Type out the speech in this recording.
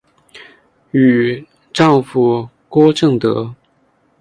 与丈夫郭政德。